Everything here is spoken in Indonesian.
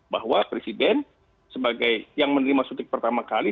bahwa presiden sebagai yang menerima suntik pertama kali